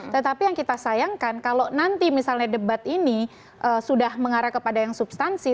tetapi yang kita sayangkan kalau nanti misalnya debat ini sudah mengarah kepada yang substansi